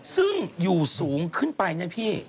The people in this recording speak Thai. ซึ่งอยู่สูงขึ้นไปนะพี่